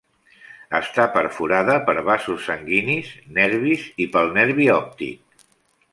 Està perforada per vasos sanguinis, nervis i pel nervi òptic.